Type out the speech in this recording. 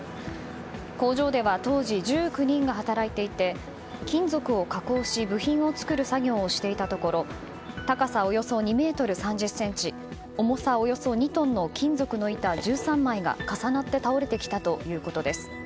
工場では当時１９人が働いていて金属を加工し部品を作る作業をしていたところ高さおよそ２ｍ３０ｃｍ重さおよそ２トンの金属の板１３枚が重なって倒れてきたということです。